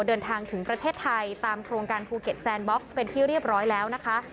เดินทางถึงประเทศไทยตามโครงการภูเก็ตแซนบ็อกซ์เป็นที่เรียบร้อยแล้วนะคะ